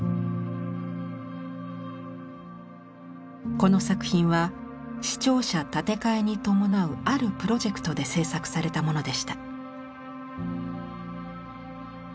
この作品は市庁舎建て替えに伴うあるプロジェクトで制作されたものでした。